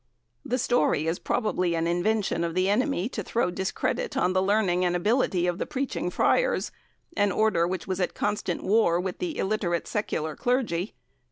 The story is probably an invention of the enemy to throw discredit on the learning and ability of the preaching Friars, an Order which was at constant war with the illiterate secular Clergy.